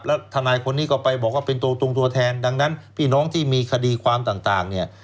แล้วทนายคนนี้ก็ไปบอกว่าเป็นตัวตรงตัวแทนดังนั้นพี่น้องที่มีคดีความต่างเนี่ย